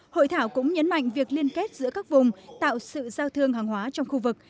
hội thảo cũng nhấn mạnh việc liên kết giữa các vùng tạo sự giao thương hàng hóa trong khu vực